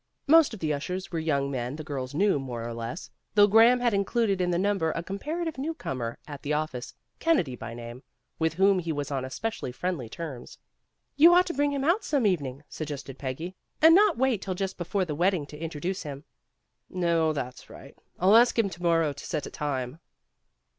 Most of the ushers were young men the girls knew more or less, though Graham had included in the number a comparative new comer at the office, Kennedy by name, with whom he was on especially friendly terms. "You ought to bring him out some evening," suggested A SURPRISE 287 Peggy," and not wait till just before the wedding to introduce him." "No, that's right. I'll ask him to morrow to set a time."